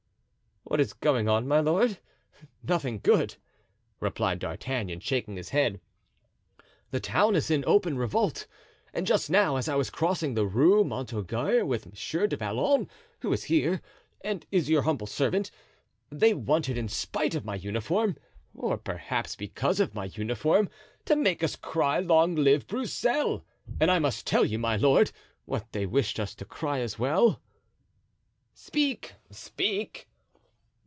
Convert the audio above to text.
"What is going on, my lord? nothing good," replied D'Artagnan, shaking his head. "The town is in open revolt, and just now, as I was crossing the Rue Montorgueil with Monsieur du Vallon, who is here, and is your humble servant, they wanted in spite of my uniform, or perhaps because of my uniform, to make us cry 'Long live Broussel!' and must I tell you, my lord what they wished us to cry as well?" "Speak, speak."